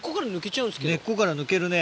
根っこから抜けるね。